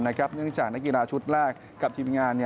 เนื่องจากนักกีฬาชุดแรกกับทีมงาน